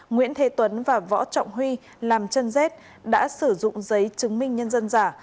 nguyễn thế tuấn và võ trọng huy làm chân dết đã sử dụng giấy chứng minh nhân dân giả